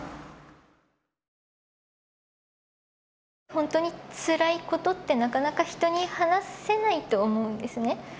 本当につらいことってなかなか人に話せないと思うんですね。